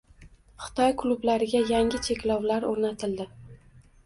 Xitoy klublariga yangi cheklovlar o‘rnatildi